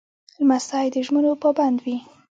لمسی د ژمنو پابند وي.